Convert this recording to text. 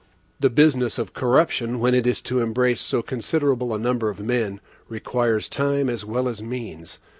The business of corruption, when it is to embrace so considerable a number of men, requires time as well as means.